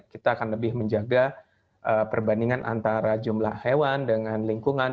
kita akan lebih menjaga perbandingan antara jumlah hewan dengan lingkungan